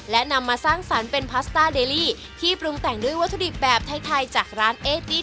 และนำมาสร้างสรรค์เป็นพาสต้าเดลี่ที่ปรุงแต่งด้วยวัตถุดิบแบบไทยจากร้านเอติ๊